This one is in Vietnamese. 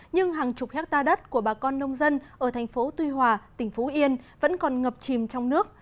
nhưng hàng chục hectare đất của bà con nông dân ở thành phố tuy hòa tỉnh phú yên vẫn còn ngập chìm trong nước